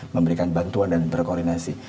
memberikan bantuan dan berkoordinasi